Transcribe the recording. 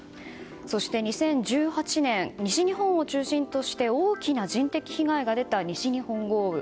そして２０１８年西日本を中心として大きな人的被害が出た西日本豪雨。